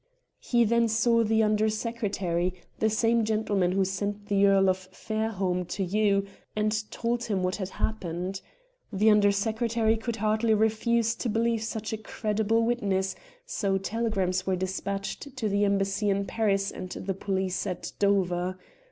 He then saw the Under Secretary, the same gentleman who sent the Earl of Fairholme to you, and told him what had happened. The Under Secretary could hardly refuse to believe such a credible witness, so telegrams were despatched to the Embassy in Paris and the police at Dover.